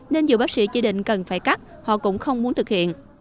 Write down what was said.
nên nhiều bác sĩ chỉ định cần phải cắt họ cũng không muốn thực hiện